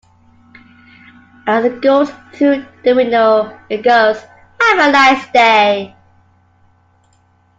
As it goes through the windows it goes 'Have a nice day.